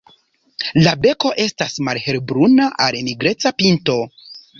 La beko estas malhelbruna al nigreca pinto.